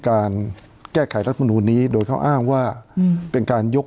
การแก้ไขรัฐมนูลนี้โดยเขาอ้างว่าเป็นการยก